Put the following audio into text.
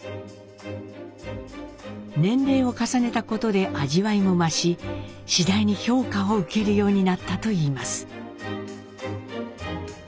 年齢を重ねたことで味わいも増し次第に評価を受けるようになったといいます。